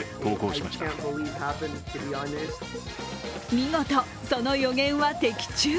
見事、その予言は的中！